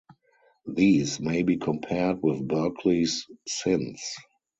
These may be compared with Berkeley's "Sins".